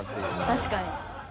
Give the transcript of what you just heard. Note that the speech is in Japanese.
確かに。